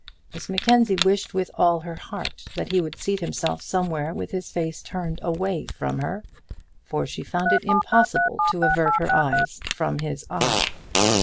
Miss Mackenzie wished with all her heart that he would seat himself somewhere with his face turned away from her, for she found it impossible to avert her eyes from his eye.